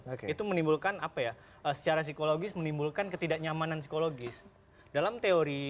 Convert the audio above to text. oke itu menimbulkan apa ya secara psikologis menimbulkan ketidaknyamanan psikologis dalam teori